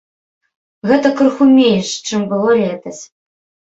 Гэта крыху менш, чым было летась.